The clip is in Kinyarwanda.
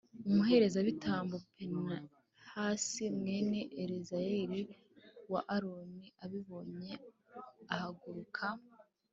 umuherezabitambo pinehasi, mwene eleyazari wa aroni abibonye, ahaguruka.